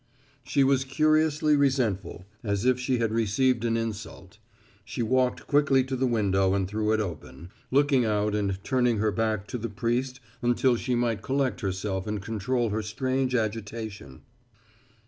She was curiously resentful, as if she had received an insult. She walked quickly to the window and threw it open, looking out and turning her back to the priest until she might collect herself and control her strange agitation.